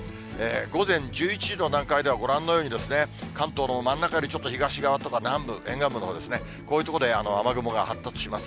午前１１時の段階では、ご覧のように、関東の真ん中よりちょっと東側とか南部、沿岸部のほうですね、こういう所で雨雲が発達します。